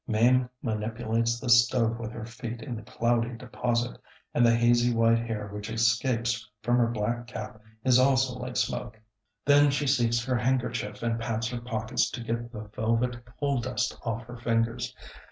Mame manipulates the stove with her feet in the cloudy deposit; and the hazy white hair which escapes from her black cap is also like smoke. Then she seeks her handkerchief and pats her pockets to get the velvet coal dust off her fingers.